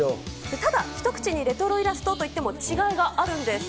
ただ、一口にレトロイラストといっても、違いがあるんです。